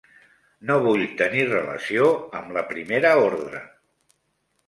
No vull tenir relació amb la Primera Ordre.